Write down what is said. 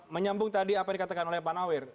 menyambung tadi apa yang dikatakan oleh pak nawir